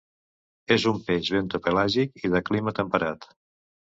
És un peix bentopelàgic i de clima temperat.